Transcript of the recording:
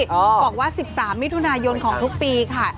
บอกว่า๑๓มิถุนายนของทุกปีค่ะ